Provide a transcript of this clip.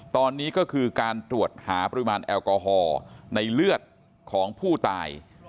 ตอนนี้ก็คือการตรวจหาปริมาณแอลกอฮอล์ในเลือดของผู้ตาย